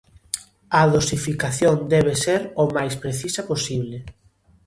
A dosificación debe ser o máis precisa posible.